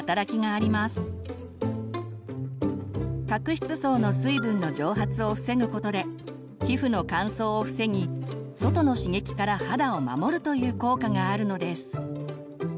角質層の水分の蒸発を防ぐことで皮膚の乾燥を防ぎ外の刺激から肌を守るという効果があるのです。